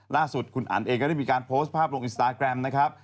ล่าสุดคุณอันเองก็ได้มีการโพสต์ภาพลงอินสตาแกรมนะครับ